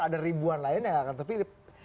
ada ribuan lain yang akan terpilih